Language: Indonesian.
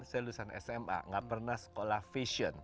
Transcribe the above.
saya lulusan sma gak pernah sekolah fashion